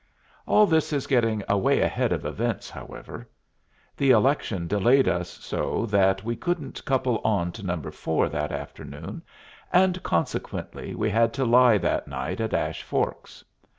All this is getting away ahead of events, however. The election delayed us so that we couldn't couple on to No. 4 that afternoon, and consequently we had to lie that night at Ash Forks.